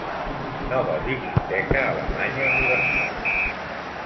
Nova Biblioteca Alemanya Universal.